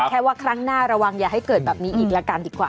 แค่ว่าครั้งหน้าระวังอย่าให้เกิดแบบนี้อีกละกันดีกว่า